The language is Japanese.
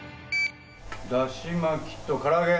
だし巻きと、から揚げ！